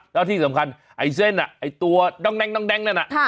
แล้วที่สำคัญไอ้เส้นอ่ะไอ้ตัวดองแดงดองแดงนั่นน่ะค่ะ